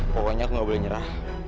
pokoknya aku gak boleh nyerah